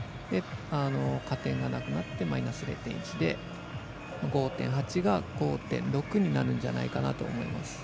加点がなくなってマイナス０．１で５．８が５．６になるんじゃないかなと思います。